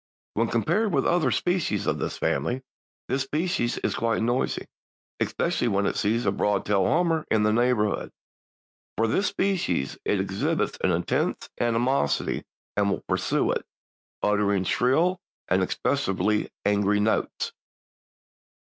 When compared with other species of the family this species is quite noisy, especially when it sees a broad tailed hummer in the neighborhood. For this species it exhibits an intense animosity and will pursue it, uttering shrill and expressively angry notes.